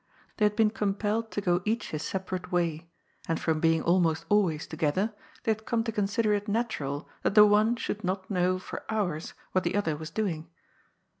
They had been compelled to go each his separate way, and from being almost always together, they had come to consider it natural that the one should not know for hours what the other was doing.